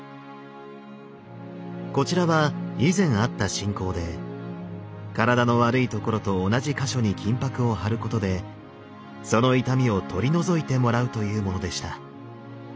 こちらは以前あった信仰で体の悪いところと同じ箇所に金箔を貼ることでその痛みを取り除いてもらうというものでした。